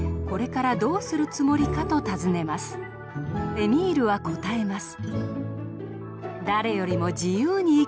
エミールは答えます。